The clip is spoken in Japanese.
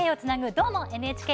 「どーも、ＮＨＫ」